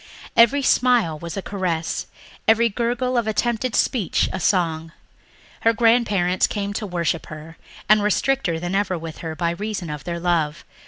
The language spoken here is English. Every smile was a caress, every gurgle of attempted speech a song. Her grandparents came to worship her and were stricter than ever with her by reason of their love.